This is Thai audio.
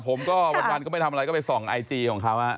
ผมก็วันก็ไม่ทำอะไรก็ไปส่องไอจีของเขา